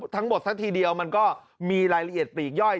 สักทีเดียวมันก็มีรายละเอียดปลีกย่อย